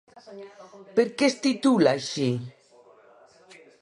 Per què es titula així?